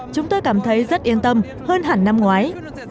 chúng tôi cảm thấy rất yên tâm hơn hẳn năm ngoái